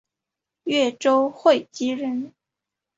越州会稽人。